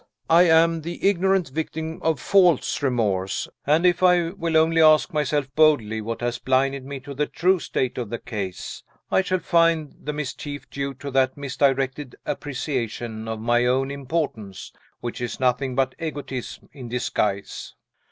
I am the ignorant victim of false remorse; and if I will only ask myself boldly what has blinded me to the true state of the case, I shall find the mischief due to that misdirected appreciation of my own importance which is nothing but egotism in disguise."